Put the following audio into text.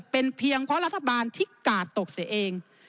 เป็นเพียงเพราะรัฐบาลที่กาดตกเสียเอง